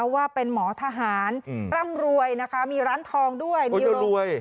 ว่าเป็นหมอทหารร่ำรวยนะคะมีร้านทองด้วยมีรวย